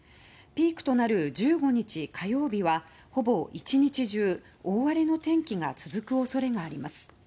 ピークとなる１５日、火曜日はほぼ１日中大荒れの天気が続く恐れがあります。